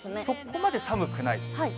そこまで寒くない？